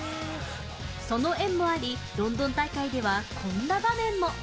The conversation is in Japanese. その縁もあり、ロンドン大会ではこんな場面も。